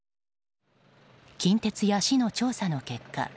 近鉄や市の調査の結果